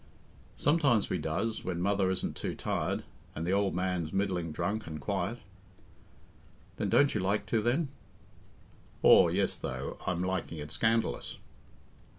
"Sometimes we does, when mother isn't too tired, and the ould man's middling drunk and quiet." "Then don't you like to then?" "Aw, yes, though, I'm liking it scandalous."